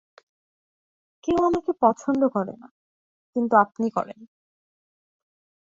কেউ আমাকে পছন্দ করে না, কিন্তু আপনি করেন।